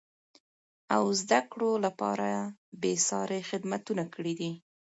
او زده کړو لپاره بېسارې خدمتونه کړیدي.